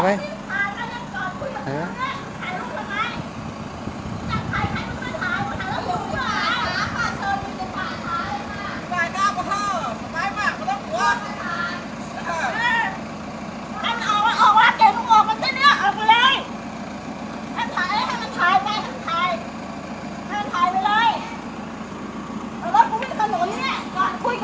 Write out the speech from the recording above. จัดถ่ายให้มันไปถ่ายผมถ่ายแล้วทุกคนจะหาหาข้าเชิญมีจัดข่าถ่ายเลยค่ะ